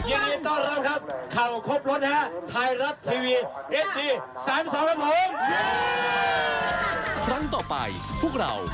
เย็นดีตอนเริ่มครับ